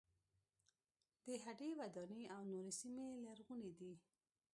د هډې وداني او نورې سیمې لرغونې دي.